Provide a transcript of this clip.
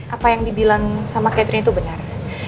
apa yang dibilang sama catherine itu benar